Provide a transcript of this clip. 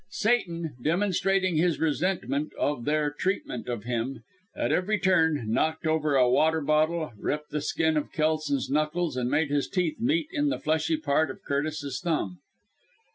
Satan, demonstrating his resentment of their treatment of him, at every turn, knocked over a water bottle, ripped the skin of Kelson's knuckles, and made his teeth meet in the fleshy part of Curtis's thumb.